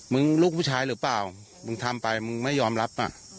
ลูกผู้ชายหรือเปล่ามึงทำไปมึงไม่ยอมรับ